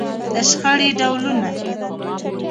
د شخړې ډولونه.